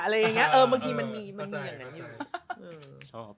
บางทีมันมีมันมีอย่างนั้นอยู่